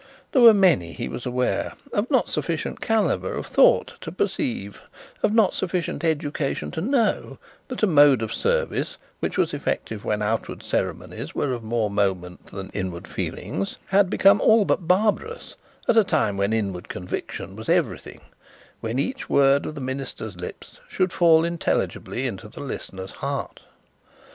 There were many, he was aware, of not sufficient calibre of thought to perceive, of not sufficient education to know, that a mode of service, which was effective when outward ceremonies were of more moment than inward feelings, had become all but barbarous at a time when inward conviction was everything, when each word of the minister's lips should fall intelligibly into the listener's heart.